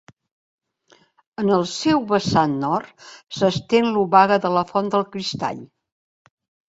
En el seu vessant nord s'estén l'Obaga de la Font del Cristall.